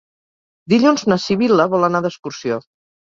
Dilluns na Sibil·la vol anar d'excursió.